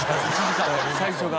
最初が。